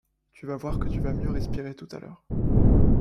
Tu vas voir que tu vas respirer mieux tout à l’heure.